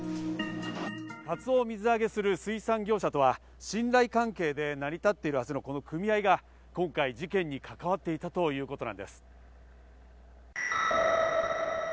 カツオを水揚げする水産業者とは、信頼関係で成り立っている組合が今回事件に関わっていたということなんです。